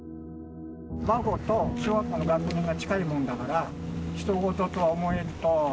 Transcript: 孫と小学校の学年が近いもんだから、ひと事とは思えんと。